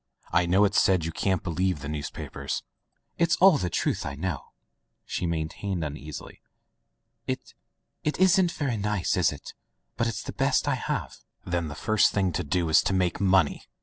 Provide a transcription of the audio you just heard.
I know it's said you can't believe the newspapers." "It's all the truth I know," she maintained uneasily. "It — it isn't very nice, is it? But it's the best I have." "Then the first thing to do is to make money!"